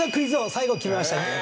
最後決めましたね。